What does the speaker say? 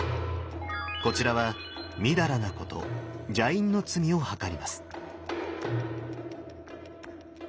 こちらは淫らなこと邪淫の罪をはかります。